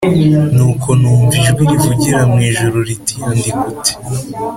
Nuko numva ijwi rivugira mu ijuru riti andika uti